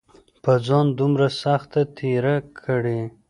پۀ ځان دومره سخته تېره کړې